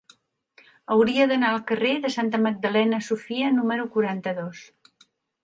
Hauria d'anar al carrer de Santa Magdalena Sofia número quaranta-dos.